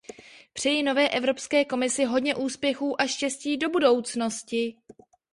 Přeji nové Evropské komisi hodně úspěchů a štěstí do budoucnosti.